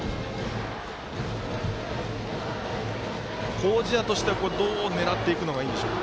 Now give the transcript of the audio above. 麹家としてはどう狙っていくのがいいでしょう。